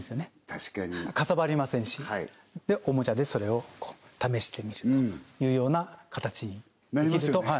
確かにかさばりませんしでおもちゃでそれを試してみるというような形にできるとなりますよね